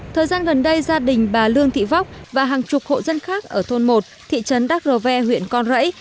thời gian gần đây gia đình bà lương thị vóc và hàng chục hộ dân khác ở thôn một thị trấn đắk rô ve huyện con rẫy